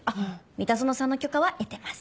三田園さんの許可は得てます。